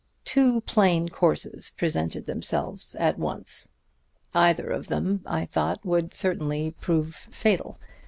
"Two plain courses presented themselves at once. Either of them, I thought, would certainly prove fatal.